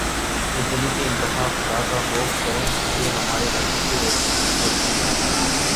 بزدلی کی انتہا خدا کا خوف کریں یہ ہمارے علاقے کی روٹین ھے